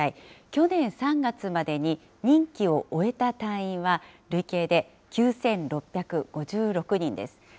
去年３月までに任期を終えた隊員は、累計で９６５６人です。